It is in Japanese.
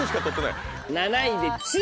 ７位で血！